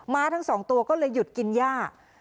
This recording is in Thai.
้าทั้งสองตัวก็เลยหยุดกินย่า